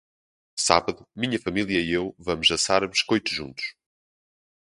Sábado, minha família e eu vamos assar biscoitos juntos.